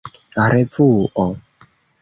revuo